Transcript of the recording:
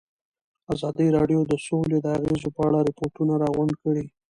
ازادي راډیو د سوله د اغېزو په اړه ریپوټونه راغونډ کړي.